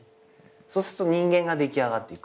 そうすると人間が出来上がっていく。